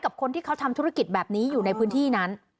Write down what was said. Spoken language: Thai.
คนที่เขาทำธุรกิจแบบนี้อยู่ในพื้นที่นั้น